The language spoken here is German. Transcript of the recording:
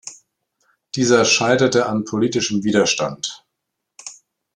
Dieser scheiterte an politischem Widerstand.